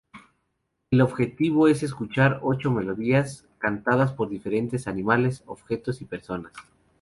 El objetivo es escuchar ocho melodías, cantadas por diferentes animales, objetos y personas.